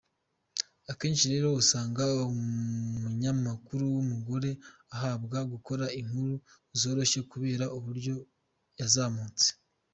Akenshi rero usanga umunyamakuru w’umugore ahabwa gukora inkuru zoroshye kubera uburyo yazamutse.